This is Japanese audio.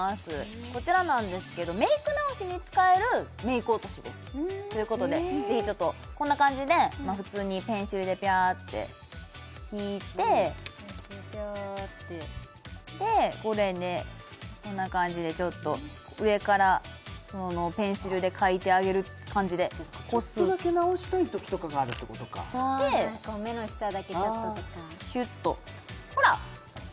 こちらなんですけどメイク直しに使えるメイク落としですということでぜひちょっとこんな感じで普通にペンシルでピャーッて引いてでこれでこんな感じでちょっと上からペンシルで描いてあげる感じでちょっとだけ直したいときとかがあるってことかそうこう目の下だけちょっととかシュッとほらっ！